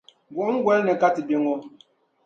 Buɣum gɔli ni ka ti bɛ ŋɔ.